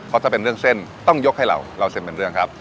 เพราะถ้าเป็นเรื่องเส้นต้องยกให้เราเล่าเส้นเป็นเรื่องครับ